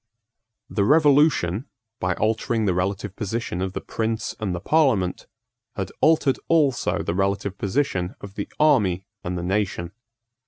The Revolution, by altering the relative position of the prince and the parliament, had altered also the relative position of the army and the nation.